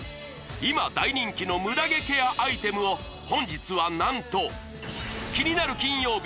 今大人気のムダ毛ケアアイテムを本日は何と「キニナル金曜日」